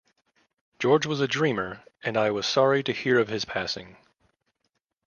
George was a dreamer, and I was sorry to hear of his passing.